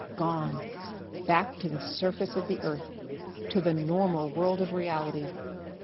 Gone! Back to the surface of the earth, to the normal world of reality.